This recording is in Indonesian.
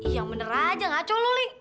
yang bener aja ngaco lu li